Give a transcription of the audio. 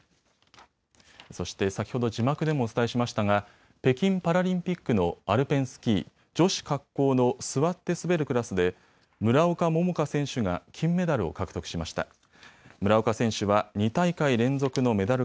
そして先ほど字幕でもお伝えしましたが北京パラリンピックのアルペンスキー、女子滑降の座って滑るクラスで村岡桃佳選手が金メダルを獲得しました。